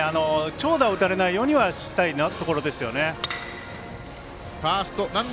長打を打たれないようにはしたいところですよね。